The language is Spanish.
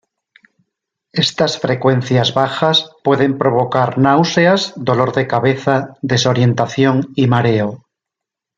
Estas frecuencias bajas pueden provocar náuseas, dolor de cabeza, desorientación y mareo.